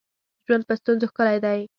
ژوند په ستونزو ښکلی دی